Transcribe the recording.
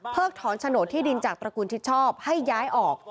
ถอนโฉนดที่ดินจากตระกูลชิดชอบให้ย้ายออก